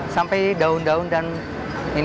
sampai daun daun dan ini pun juga jadi daun